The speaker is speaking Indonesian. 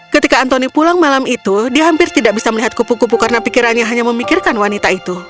ketika anthony pulang malam itu dia hampir tidak bisa melihat kupu kupu karena pikirannya hanya memikirkan wanita itu